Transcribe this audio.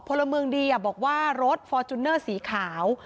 พลเมืองดีบอกว่ารถฟอร์จูเนอร์สีขาว